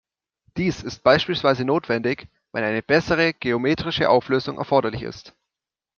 Dies ist beispielsweise notwendig, wenn eine bessere geometrische Auflösung erforderlich ist.